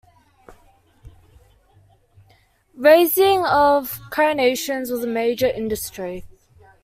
Raising of carnations was a major industry.